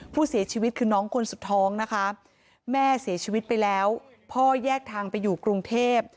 ผู้เสียชีวิตคือน้องคนสุดท้องนะคะแม่เสียชีวิตไปแล้วพ่อแยกทางไปอยู่กรุงเทพ